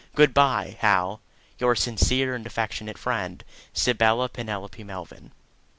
Good bye, Hal! Your sincere and affec. friend, SYBYLLA PENELOPE MELVYN.